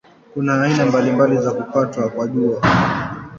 Kuna aina mbalimbali za kupatwa kwa Jua.